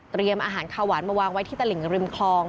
อาหารข้าวหวานมาวางไว้ที่ตลิ่งริมคลอง